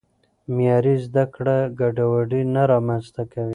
معیاري زده کړه ګډوډي نه رامنځته کوي.